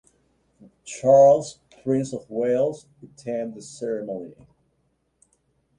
Charles, Prince of Wales attended the ceremony.